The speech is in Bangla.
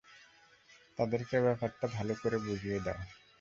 তাদেরকে, ব্যাপারটা ভাল করে বুঝিয়ে দাও।